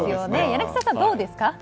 柳澤さん、どうですか？